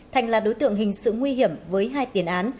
thành là đối tượng hình sự nguy hiểm với hai tiền án